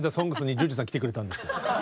「ＳＯＮＧＳ」にＪＵＪＵさん来てくれたんですよ。